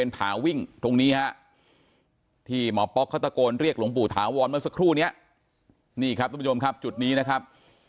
นี่หมอป๊อกเขาตะโกนเรียกหลวงปู่ถาวรเมื่อสักครู่นี้นี่ครับทุกผู้ชมครับจุดนี้นะครับ